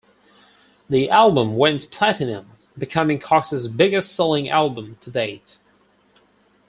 The album went platinum, becoming Cox's biggest-selling album to date.